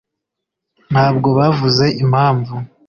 ntabwo bavuze impamvu